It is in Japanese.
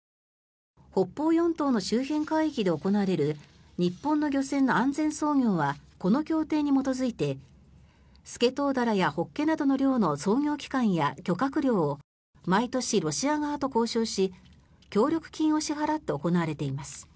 北方四島の周辺海域で行われる日本の漁船の安全操業はこの協定に基づいてスケトウダラやホッケなどの漁の操業期間や漁獲量を毎年ロシア側と交渉し協力金を支払って行われています。